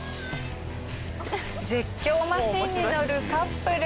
絶叫マシンに乗るカップル。